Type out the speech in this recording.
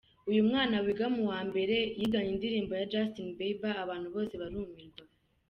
Uyu mwana wiga mu wa mbere, yiganye indirimbo ya Justin Bieber, abantu bose barumirwa.